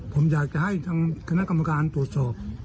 ผมอยากจะให้ทางคณะกรรมการตรวจสอบ